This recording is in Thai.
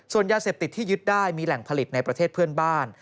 ส่วนยาเสพติดที่ยึดได้มีแหล่งผลิตในประเทศเพื่อนบ้าน